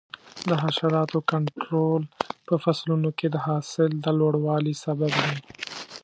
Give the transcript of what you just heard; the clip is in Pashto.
د حشراتو کنټرول په فصلونو کې د حاصل د لوړوالي سبب دی.